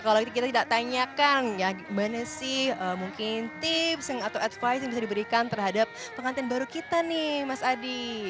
kalau kita tidak tanyakan ya gimana sih mungkin tips atau advice yang bisa diberikan terhadap pengantin baru kita nih mas adi